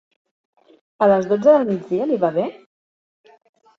A les dotze del migdia li va bé?